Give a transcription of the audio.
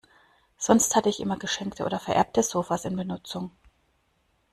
Sonst hatte ich immer geschenkte oder vererbte Sofas in Benutzung.